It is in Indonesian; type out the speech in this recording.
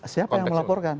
siapa yang melaporkan